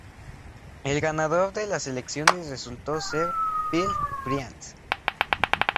El ganador de las elecciones resultó ser Phil Bryant.